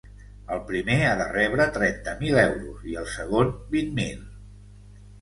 El primer ha de rebre trenta mil euros i el segon, vint mil.